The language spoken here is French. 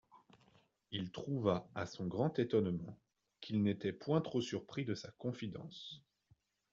Il trouva, à son grand étonnement, qu'il n'était point trop surpris de sa confidence.